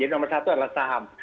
jadi nomor satu adalah saham